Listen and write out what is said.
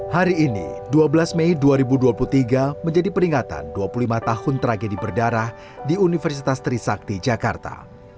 hari ini dua belas mei dua ribu dua puluh tiga menjadi peringatan dua puluh lima tahun tragedi berdarah di universitas trisakti jakarta